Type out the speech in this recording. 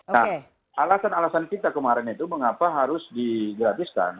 nah alasan alasan kita kemarin itu mengapa harus digratiskan